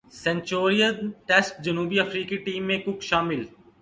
Centurion test جنوبی افریقی team میں کک شامل